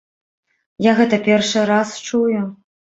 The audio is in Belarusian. Я гэта першы раз чую.